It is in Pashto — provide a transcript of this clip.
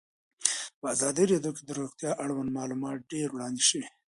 په ازادي راډیو کې د روغتیا اړوند معلومات ډېر وړاندې شوي.